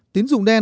tiến dụng đen